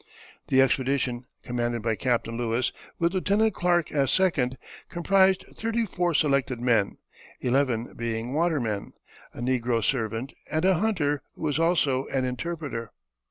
The expedition, commanded by Captain Lewis, with Lieutenant Clark as second, comprised thirty four selected men, eleven being watermen, a negro servant, and a hunter, who was also an interpreter.